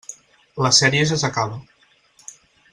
La sèrie ja s'acaba.